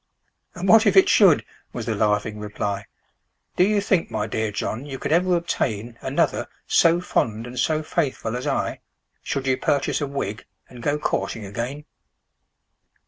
"And what if it should?" was the laughing reply; "Do you think, my dear John, you could ever obtain Another so fond and so faithful as I, Should you purchase a wig, and go courting again?"